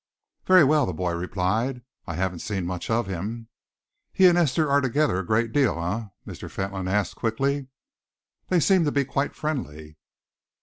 "Very well," the boy replied. "I haven't seen much of him." "He and Esther are together a great deal, eh?" Mr. Fentolin asked quickly. "They seem to be quite friendly."